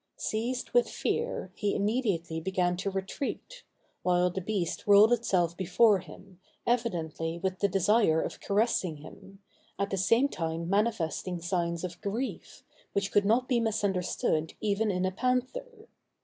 Seized with fear, he immediately began to retreat; while the beast rolled itself before him, evidently with the desire of caressing him, at the same time manifesting signs of grief, which could not be misunderstood even in a panther.